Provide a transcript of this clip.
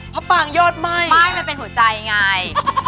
พะปังยอดไหมไม่มันเป็นหัวใจทำไม